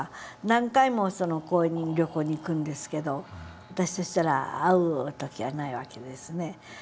何回も講演旅行に行くんですけど私としたら会う時はないわけですね。